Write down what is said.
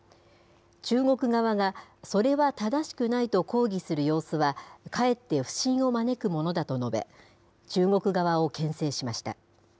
中国側がそれは正しくないと抗議する様子は、かえって不信を招くものだと述べ、中国側をけん制しました。